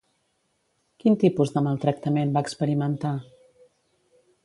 Quin tipus de maltractament va experimentar?